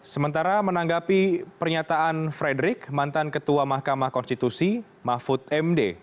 sementara menanggapi pernyataan frederick mantan ketua mahkamah konstitusi mahfud md